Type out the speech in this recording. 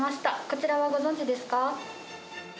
こちらはご存じですか？